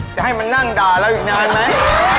จะให้มันนั่งด่าเล่านิกายมั้ย